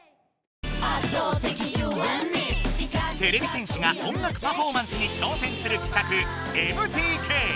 てれび戦士が音楽パフォーマンスに挑戦する企画「ＭＴＫ」。